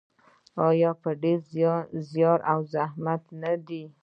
آیا په ډیر زیار او زحمت نه دی؟